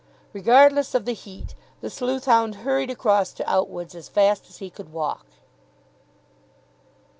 Regardless of the heat, the sleuth hound hurried across to Outwood's as fast as he could walk.